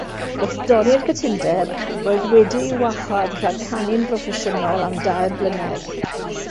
Wrth dorri'r cytundeb, roedd wedi ei wahardd rhag canu'n broffesiynol am dair blynedd.